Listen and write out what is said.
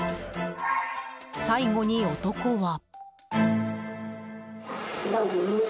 最後に男は。